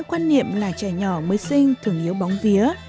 quan niệm là trẻ nhỏ mới sinh thường yếu bóng vía